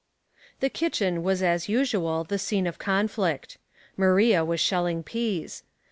^nf^HE kitchen was as usual the scene '[^ of conflict. Maria was shelling peas.